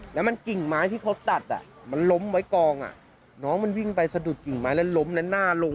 แล้วมันกิ่งไม้ที่เขาตัดมันล้มไว้กองน้องมันวิ่งไปสะดุดกิ่งไม้แล้วล้มแล้วหน้าลง